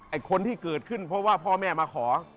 คนที่เกิดขึ้นเพราะว่าพ่อแม่มาขอ